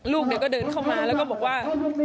ลูกก็เดินเข้ามาแล้วก็บอกว่า